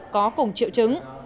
có cùng triệu chứng